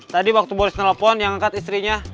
tadi waktu boris telepon yang ngekat istrinya